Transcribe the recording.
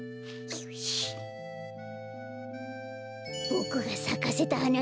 ボクがさかせたはな